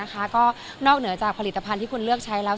ก็นอกเหนือจากผลิตภัณฑ์ที่คุณเลือกใช้แล้ว